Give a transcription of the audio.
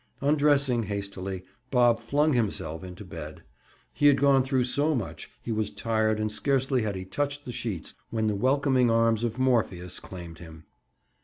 Undressing hastily, Bob flung himself into bed. He had gone through so much he was tired and scarcely had he touched the sheets when the welcoming arms of Morpheus claimed him.